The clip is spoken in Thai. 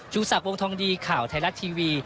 ชูศัพท์วงธองดีข่าวไทยรัตน์ทีวี